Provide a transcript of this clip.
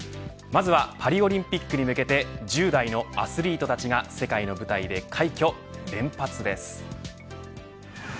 まずは、パリオリンピックに向けて１０代のアスリートたちが世界の舞台で快挙連発です。